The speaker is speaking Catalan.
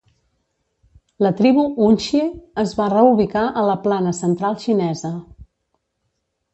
La tribu hunxie es va reubicar a la Plana Central xinesa.